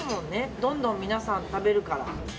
どんどん皆さん食べるから。